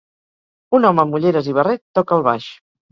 Un home amb ulleres i barret toca el baix